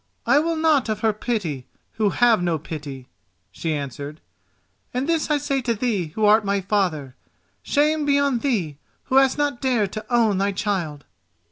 "I will naught of her pity who have no pity," she answered; "and this I say to thee who art my father: shame be on thee who hast not dared to own thy child!"